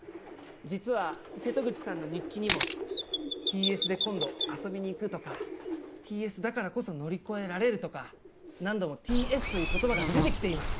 実は瀬戸口さんの日記にもＴ・Ｓで今度遊びに行くとかＴ・Ｓだからこそ乗り越えられるとか何度もＴ・Ｓという言葉が出てきています。